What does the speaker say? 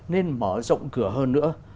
nên mở rộng cửa hơn nữa